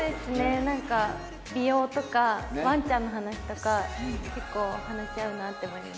なんか美容とかワンちゃんの話とか結構話合うなって思いました。